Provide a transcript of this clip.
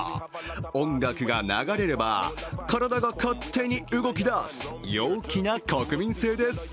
音楽が流れれば、体が勝手に動き出す、陽気な国民性です。